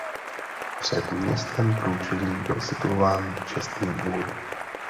Před městské průčelí byl situován čestný dvůr.